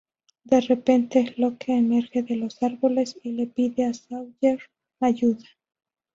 De repente, Locke emerge de los árboles y le pide a Sawyer ayuda.